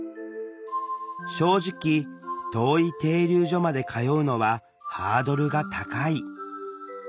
正直遠い停留所まで通うのはハードルが高い。